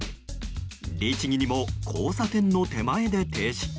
律儀にも、交差点の手前で停止。